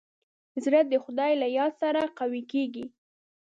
زړه د خدای له یاد سره قوي کېږي.